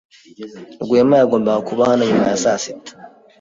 Rwema yagombaga kuba hano nyuma ya saa sita.